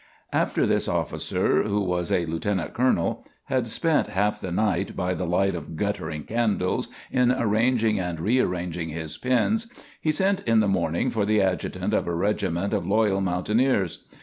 After this officer, who was a lieutenant colonel, had spent half the night, by the light of guttering candles, in arranging and rearranging his pins, he sent in the morning for the adjutant of a regiment of loyal mountaineers.